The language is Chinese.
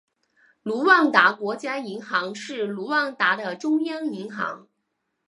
卢旺达国家银行是卢旺达的中央银行。